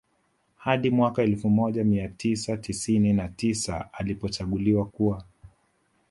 Hadi mwaka elfu moja mia tisa tisini na tisa alipochaguliwa kuwa